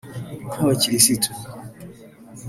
nk’abakirisitu